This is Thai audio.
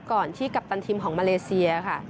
ก่อนที่กัปตันทีมของมาเลเซียค่ะ